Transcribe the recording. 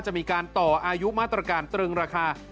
จะมีการต่ออายุมาตรการตรึงราคา